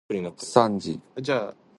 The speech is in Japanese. さんじ